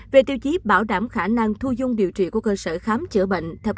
về tiêu chí bảo đảm khả năng thu dung điều trị của cơ sở khám chữa bệnh